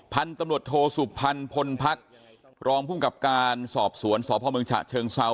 พันธุ์ตำรวจโทษภัณฑ์พลพักษ์รองคุ้มกับการสอบสวนสพเชิงเซา